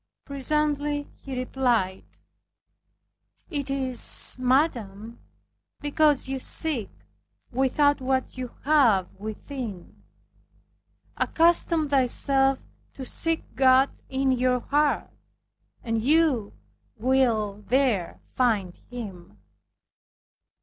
Presently he replied, "It is, madame, because you seek without what you have within. Accustom yourself to seek God in your heart, and you will there find Him."